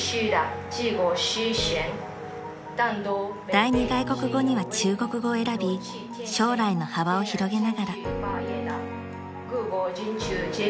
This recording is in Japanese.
［第二外国語には中国語を選び将来の幅を広げながら］